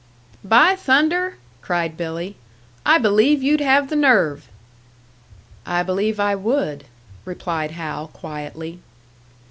"By thunder!" cried Billy. "I believe you'd have the nerve!" "I believe I would," replied Hal, quietly.